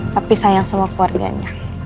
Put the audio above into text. tapi sayang sama keluarganya